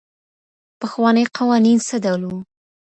پخواني قوانین څه ډول وو؟